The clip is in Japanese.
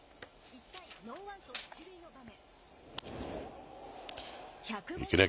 １回、ノーアウト１塁の場面。